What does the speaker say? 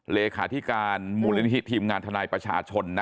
เลขาธิการมูลนิธิทีมงานทนายประชาชนนะ